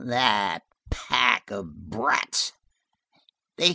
"That pack of brats!